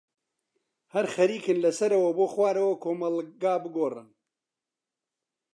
هەر خەرێکن لەسەرەوە بۆ خوارە کۆمەلگا بگۆرن.